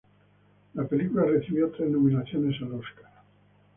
La película recibió tres nominaciones al Oscar.